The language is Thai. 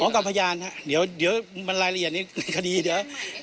อ๋อกับพญานฮะเดี๋ยวนี่บันลายละเอียดนิดค่ะดีเดี๋ยว